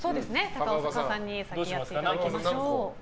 高岡さんにやっていただきましょう。